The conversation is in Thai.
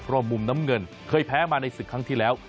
มุมน้ำเงินเคยแพ้มาในศึกครั้งที่แล้ว